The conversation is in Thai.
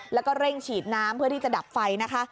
แล้วก็เร่งฉีดน้ำเพื่อที่จะดับไฟนะคะ